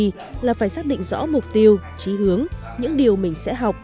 thì là phải xác định rõ mục tiêu trí hướng những điều mình sẽ học